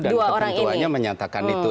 dan kepentuannya menyatakan itu